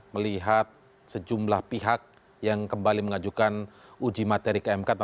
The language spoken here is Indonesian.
melihat sejumlah pihak yang kembali mengajukan uji materi kmk